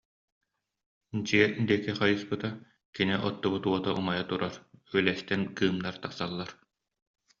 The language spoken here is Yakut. Дьиэ диэки хайыспыта: кини оттубут уота умайа турар, үөлэстэн кыымнар тахсаллар